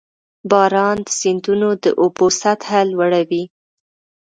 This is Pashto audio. • باران د سیندونو د اوبو سطحه لوړوي.